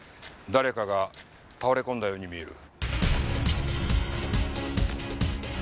誰かが倒れ込んだように見える。